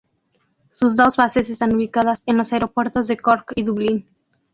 Sus dos bases están ubicadas en los aeropuertos de Cork y Dublín.